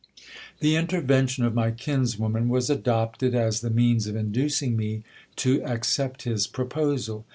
The intervention of my kinswoman was adopted as the means of inducing me to accept his proposal.